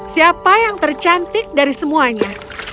siapa yang tercantik dari semuanya